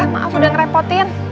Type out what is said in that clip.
maaf udah ngerepotin